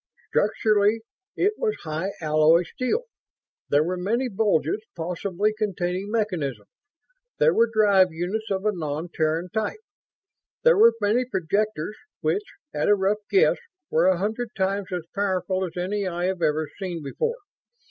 "Structurally, it was high alloy steel. There were many bulges, possibly containing mechanisms. There were drive units of a non Terran type. There were many projectors, which at a rough guess were a hundred times as powerful as any I have ever seen before.